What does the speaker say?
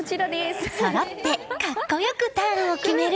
そろって格好良くターンを決める